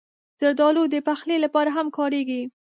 زردالو د پخلي لپاره هم کارېږي.